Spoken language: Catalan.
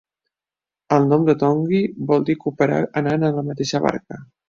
El nom de Tongji vol dir cooperar anant en la mateixa barca.